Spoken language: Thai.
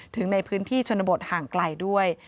ถึงในพื้นที่ชนบทห่างไกลด้วย